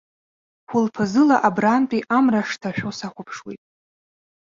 Хәылԥазыла абрантәи амра шҭашәо сахәаԥшуеит.